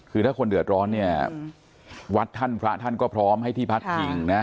คือถ้าคนเดือดร้อนเนี่ยวัดท่านพระท่านก็พร้อมให้ที่พักผิงนะ